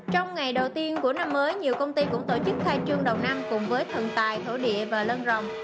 trong ngày đầu tiên của năm mới nhiều công ty cũng tổ chức khai trương đầu năm cùng với thần tài thổ địa và lân rồng